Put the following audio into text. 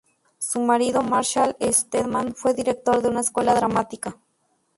Su marido, Marshall Stedman, fue director de una escuela dramática.